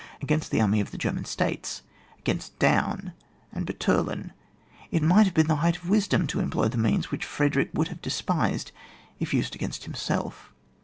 Against the army of the German States, against Daun and Butturlin, it might have been the height of wisdom to employ means which Frederick would have despised if used against himself.